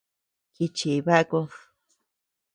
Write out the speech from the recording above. Jichi bakud.